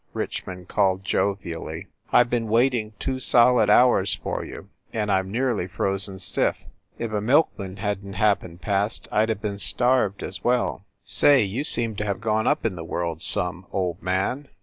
Richmond called jovially. "I ve been waiting two solid hours for you, and I m nearly frozen stiff. If a milkman hadn t happened past I d have been starved as well. Say, you seem to have gone up in the world some, old man